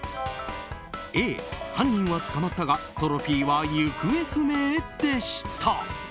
Ａ、犯人は捕まったがトロフィーは行方不明でした！